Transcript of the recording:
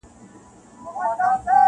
هغه سنګین- هغه سرکښه د سیالیو وطن-